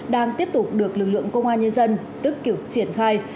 đang tiếp tục được lực lượng công an nhân dân tức kiểu triển khai